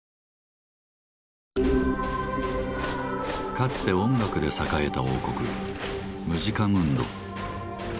かつて音楽で栄えた王国「ムジカムンド」。